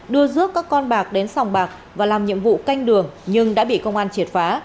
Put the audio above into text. đưa rước các con bạc đến sòng bạc và làm nhiệm vụ canh đường nhưng đã bị công an triệt phá